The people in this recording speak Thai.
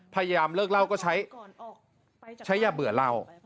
พยายามเลิกเล่าก็ใช้อย่าเบื่อเรา